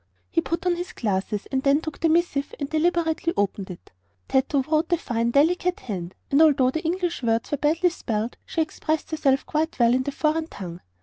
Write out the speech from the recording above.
He put on his glasses and then took the missive and deliberately opened it. Tato wrote a fine, delicate hand, and although the English words were badly spelled she expressed herself quite well in the foreign tongue.